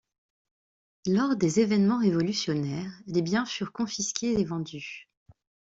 Lors des événements révolutionnaires, les biens furent confisqués et vendus.